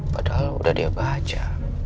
padahal udah dia baca